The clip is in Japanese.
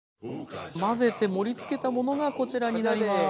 混ぜて盛りつけたものがこちらになります。